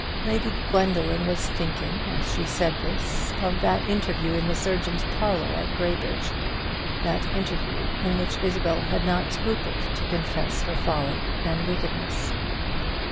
Lady Gwendoline was thinking, as she said this, of that interview in the surgeon's parlour at Graybridge that interview in which Isabel had not scrupled to confess her folly and wickedness.